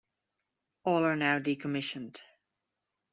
All are now decommissioned.